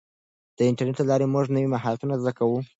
د انټرنیټ له لارې موږ نوي مهارتونه زده کوو.